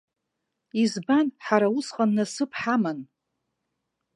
Избан, ҳара усҟан насыԥ ҳаман!